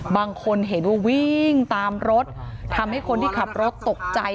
บางคนเห็นว่าวิ่งตามรถทำให้คนที่ขับรถตกใจ